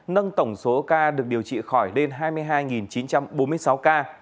nâng tổng số ca được điều trị khỏi lên hai mươi hai chín trăm bốn mươi sáu ca